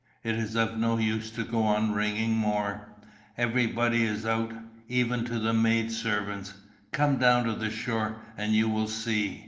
It is of no use to go on ringing more. Everybody is out, even to the maid servants. Come down to the shore, and you will see."